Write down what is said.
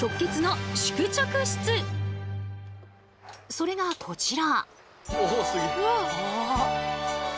それがこちら。